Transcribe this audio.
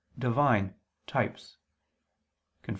Divine, "types" [*Cf.